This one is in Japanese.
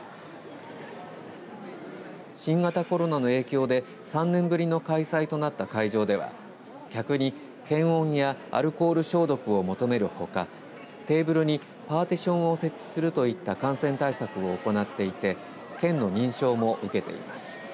新型コロナの影響で３年ぶりの開催となった会場では客に検温やアルコール消毒を求めるほかテーブルにパーティションを設置するといった感染対策を行っていて県の認証も受けています。